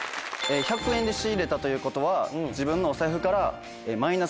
１００円で仕入れたということは自分のお財布からマイナス１００円。